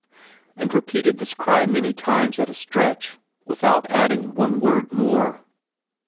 and repeated this cry many times at a stretch, without adding one word more.